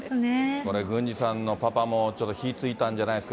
これ、郡司さんのパパも、ちょっと火ついたんじゃないですか。